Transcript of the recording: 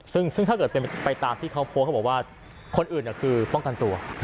ซึ่งถ้าเกิดเป็นไปตามที่เขาโพสต์เขาบอกว่าคนอื่นคือป้องกันตัว